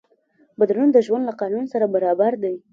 بدلون د ژوند له قانون سره برابر دی.